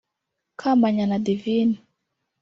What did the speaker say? Kamanyana Divine